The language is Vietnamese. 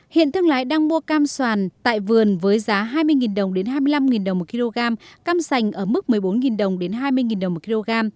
hiện thương lái đang mua cam xoài tại vườn với giá hai mươi hai mươi năm đồng mỗi kg cam sành ở mức một mươi bốn hai mươi đồng mỗi kg